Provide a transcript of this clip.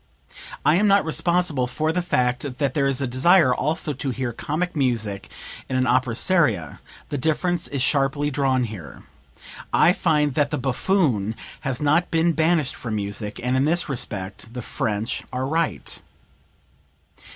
I am not responsible for the fact that there is a desire also to hear comic music in an opera seria; the difference is sharply drawn here. I find that the buffoon has not been banished from music, and in this respect the French are right."